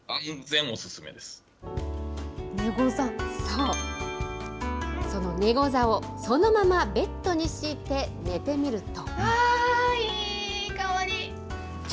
そう、その寝ござをそのままベッドに敷いて寝てみると。